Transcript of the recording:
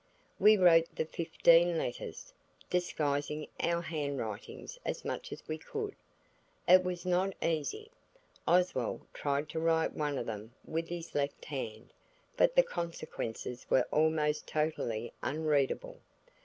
We wrote the fifteen letters, disguising our handwritings as much as we could. It was not easy. Oswald tried to write one of them with his left hand, but the consequences were almost totally unreadable.